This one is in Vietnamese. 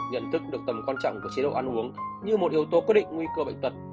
nhận thức được tầm quan trọng của chế độ ăn uống như một yếu tố quyết định nguy cơ bệnh tật